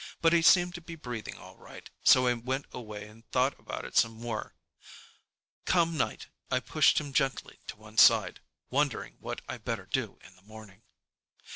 But he seemed to be breathing all right, so I went away and thought about it some more. Come night, I pushed him gently to one side, wondering what I better do in the morning.